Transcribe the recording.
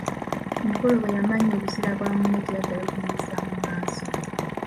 Mikolo bwe yamanya obuzira bwa munne teyaddayo kumuyisaamu maaso.